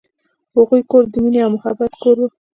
هغه کور د مینې او محبت کور و.